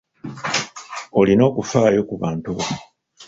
Olina okufaayo ku bantu bo.